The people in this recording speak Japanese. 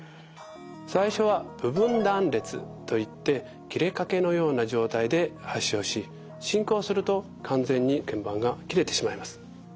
最初は部分断裂といって切れかけのような状態で発症し進行すると完全にけん板が切れてしまいます。